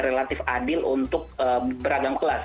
relatif adil untuk beragam kelas